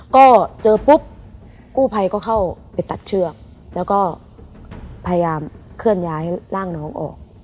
ก็เจอปุ๊บกู้ภัยก็เข้าไปตัดเชือกแล้วก็พยายามเคลื่อนย้ายร่างน้องออก